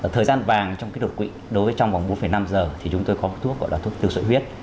thời gian vàng trong cái đột quỵ đối với trong khoảng bốn năm giờ thì chúng tôi có thuốc gọi là thuốc tự sợi huyết